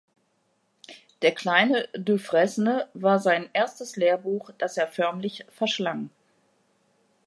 Der „kleine Dufresne“ war sein erstes Lehrbuch, das er förmlich verschlang.